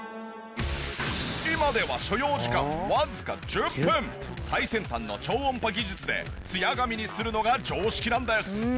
今では所要時間最先端の超音波技術でツヤ髪にするのが常識なんです。